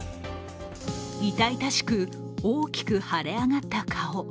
痛々しく大きく腫れ上がった顔。